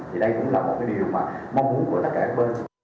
thì đây cũng là một cái điều mà mong muốn của tất cả các bên